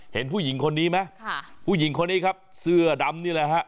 เห็นผู้หญิงคนนี้ไหมค่ะผู้หญิงคนนี้ครับเสื้อดำนี่แหละฮะ